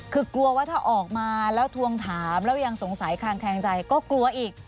คือกลัวว่าถ้าออกมาแล้วทวงถามแล้วยังสงสัยคางแคลงใจก็กลัวอีก